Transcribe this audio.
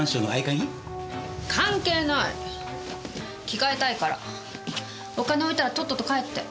着替えたいからお金置いたらとっとと帰って。